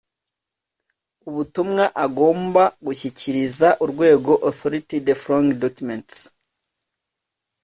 ubutumwa agomba gushyikiriza Urwego Authority the following documents